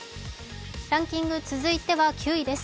ランキング、続いては９位です。